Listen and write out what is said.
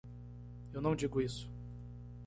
Eu não digo isso.